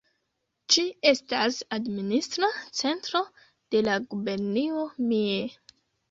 Ĝi estas administra centro de la gubernio Mie.